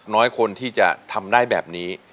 น้อยคนที่จะทำได้แบบนี้